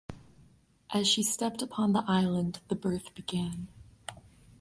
As she stepped upon the island, the birth began.